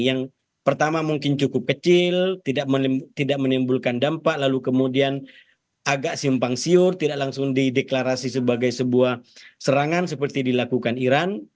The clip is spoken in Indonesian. yang pertama mungkin cukup kecil tidak menimbulkan dampak lalu kemudian agak simpang siur tidak langsung dideklarasi sebagai sebuah serangan seperti dilakukan iran